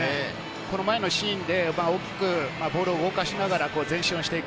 この前のシーンで大きくボールを動かしながら前進をしていく。